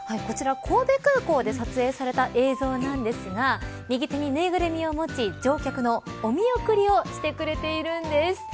神戸空港で撮影された映像ですが右手にぬいぐるみを持ち乗客のお見送りをしてくれているんです。